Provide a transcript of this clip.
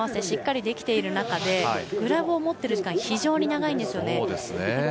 しっかりできている中でグラブを持っている時間が非常に長いんですよね。